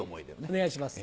お願いします。